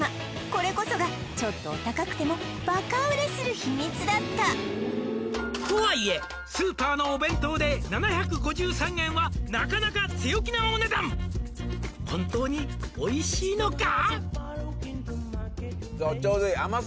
これこそがちょっとお高くてもバカ売れする秘密だった「とはいえスーパーのお弁当で７５３円はなかなか強気なお値段」「本当においしいのか？」